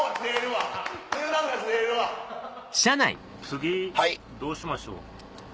次どうしましょう？